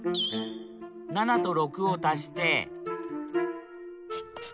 ７と６を足して１３。